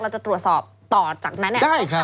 เราจะตรวจสอบต่อจากนั้นก็ทำยังไงครับ